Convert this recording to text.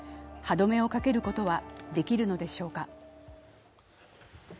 歯止めをかけることはできるのでしょうか。